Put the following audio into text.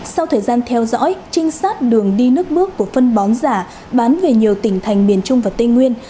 sau thời gian theo dõi trinh sát đường đi nước bước của phân bón giả bán về nhiều tỉnh thành miền trung và tây nguyên